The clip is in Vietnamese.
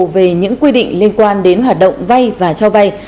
về những quy định liên quan đến hoạt động vay và cho vay